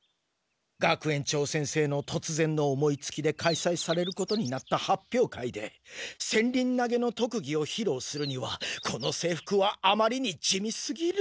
学園長先生のとつぜんの思いつきで開催されることになった発表会で戦輪投げの特技をひろうするにはこの制服はあまりに地味すぎる。